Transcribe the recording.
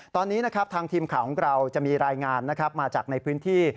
ตอนนี้ทางทีมข่าวของเราจะมีรายงานมาจากในพื้นที่